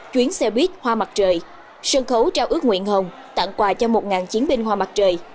chuyến xe buýt hoa mặt trời sân khấu trao ước nguyện hồng tặng quà cho một chiến binh hoa mặt trời